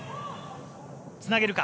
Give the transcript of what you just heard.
つなげるか。